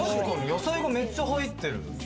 野菜が、めっちゃ入ってる。